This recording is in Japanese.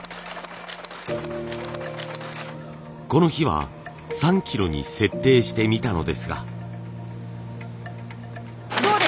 この日は３キロに設定してみたのですが。